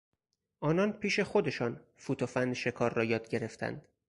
آنان پیش خودشان فوت و فن شکار را یاد گرفتند.